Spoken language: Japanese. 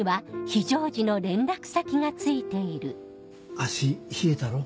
足冷えたろ？